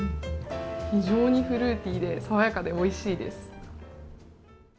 非常にフルーティーで爽やかでおいしいです。